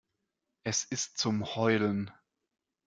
Es ist zum Heulen.